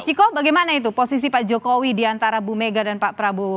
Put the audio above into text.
ciko bagaimana itu posisi pak jokowi diantara bu mega dan pak prabowo